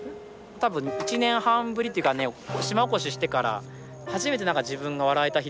多分１年半ぶりっていうかね島おこししてから初めて何か自分が笑えた日というか。